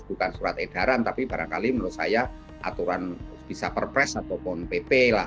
bukan surat edaran tapi barangkali menurut saya aturan bisa perpres ataupun pp lah